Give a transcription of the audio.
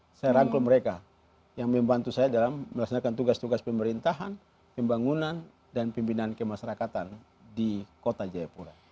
saya rangkul mereka yang membantu saya dalam melaksanakan tugas tugas pemerintahan pembangunan dan pimpinan kemasyarakatan di kota jayapura